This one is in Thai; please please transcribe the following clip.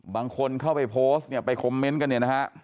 บางคนเข้าไปโพสต์เนี่ยไปคอมเมนต์กันเนี่ยนะฮะ